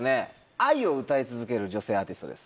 愛を歌い続ける女性アーティストです。